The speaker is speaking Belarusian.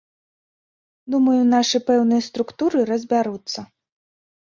Думаю, нашы пэўныя структуры разбяруцца.